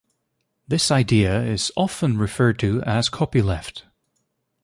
This idea is often referred to as copyleft.